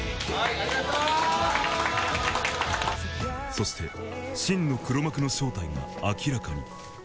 ［そして真の黒幕の正体が明らかに］